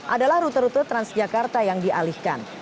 adalah rute rute transjakarta yang dialihkan